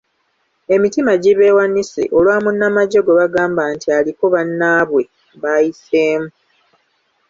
Emitima gibeewanise olwa munnamagye gwe bagamba nti aliko bannaabwe b'ayiseemu.